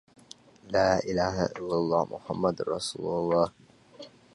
Emerson dressed in old clothes and his manners were uncouth.